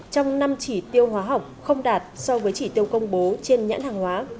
trong năm chỉ tiêu hóa học không đạt so với chỉ tiêu công bố trên nhãn hàng hóa